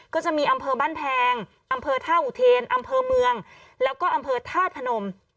ก็จะมีอำเภอบ้านแพงอำเภอท่าอุเทนอำเภอเมืองแล้วก็อำเภอธาตุพนม